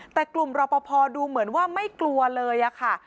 แต่กลุ่มรอปภดูเหมือนว่าไม่กลัวเลยค่ะ